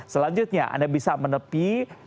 selanjutnya anda bisa menepi ke arah kiri secara perlahan